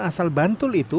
asal bantul itu